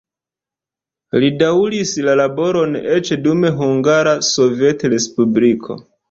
Li daŭris la laboron eĉ dum Hungara Sovetrespubliko.